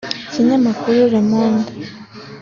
Ikinyamakuru Le Monde